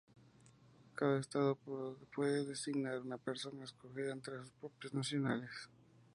Cada Estado puede designar una persona escogida entre sus propios nacionales.